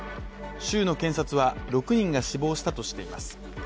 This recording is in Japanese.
州の検察は、６人が死亡したとしています。